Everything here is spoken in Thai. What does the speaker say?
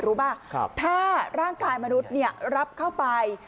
รู้ป่ะถ้าร่างกายมนุษย์เนี่ยรับเข้าไป